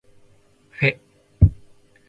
ふぇ